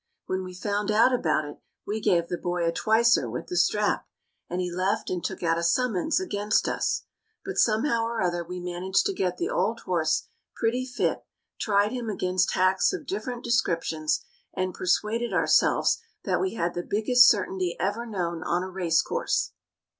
When we found out about it we gave the boy a twicer with the strap, and he left and took out a summons against us. But somehow or other we managed to get the old horse pretty fit, tried him against hacks of different descriptions, and persuaded ourselves that we had the biggest certainty ever known on a racecourse.